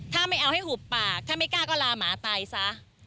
ถ้าไม่เอาให้หุบปากถ้าไม่กล้าก็ลาหมาตายซะ